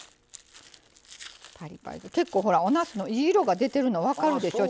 結構おなすのいい色が出てるの分かるでしょ？